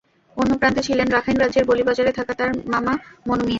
অন্য প্রান্তে ছিলেন রাখাইন রাজ্যের বলিবাজারে থাকা তাঁর মামা মনু মিয়া।